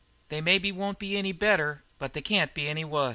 They maybe won't be any better but they can't be any wuss."